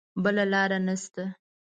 بله لاره نه شته.